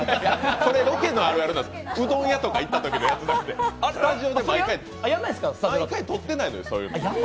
それロケのあるある、うどん屋とか行ったときのやつなので、スタジオでは毎回撮ってないのよ、そういうの。